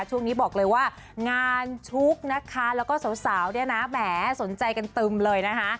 ช่วงนี้บอกเลยว่างานชุกนะคะแล้วก็สาวเนี่ยนะแหมสนใจกันตึมเลยนะคะ